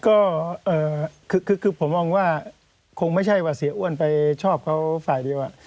ก็คือผมมองว่าคงไม่ใช่ว่าเสียอ้วนไปชอบเขาฝ่ายเดียว